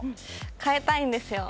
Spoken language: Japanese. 変えたいんですよ。